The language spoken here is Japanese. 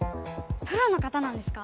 プロの方なんですか？